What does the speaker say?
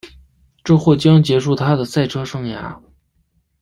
这或将结束她的赛车生涯。